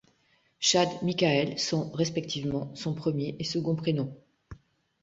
Chad Michael sont, respectivement, son premier et second prénom.